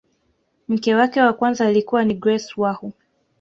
mke wake wa kwanza alikuwa ni grace wahu